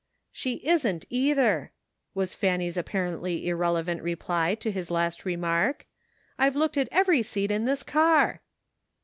"She isn't either," was Fanny's apparently irrelevant reply to his last remark. " I've looked at every seat in this car.'''